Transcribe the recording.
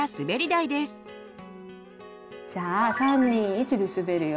じゃあ３２１ですべるよ。